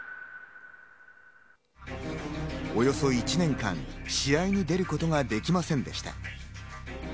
およそ１年間、試合に出ることができませんでした。